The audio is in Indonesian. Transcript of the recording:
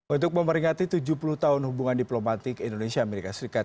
untuk memperingati tujuh puluh tahun hubungan diplomatik indonesia amerika serikat